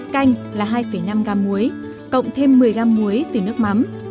canh là hai năm gam muối cộng thêm một mươi gam muối từ nước mắm